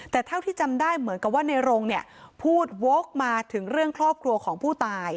แต่เท่าที่จำได้เหมือนกับว่าในโรงเนี่ยพูดโว๊คมาถึงเรื่องครอบครัวของผู้ตาย